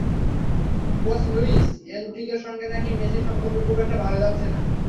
Coach Luis এনরিকের সঙ্গে নাকি মেসির সম্পর্ক খুব একটা ভালো যাচ্ছে না।